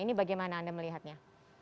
ini bagaimana anda melihatnya